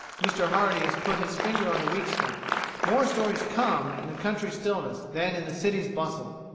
Mr Hardy has put his finger on the weak spot: more stories "come" in the country stillness than in the city's bustle.